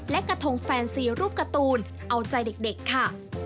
และกระทงแฟนซีรูปการ์ตูนเอาใจเด็กค่ะ